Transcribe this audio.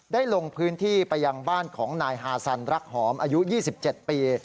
ลงพื้นที่ไปยังบ้านของนายฮาซันรักหอมอายุ๒๗ปี